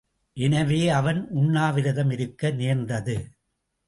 எனவே அவன் உண்ணவிரதம் இருக்க நேர்ந்தது.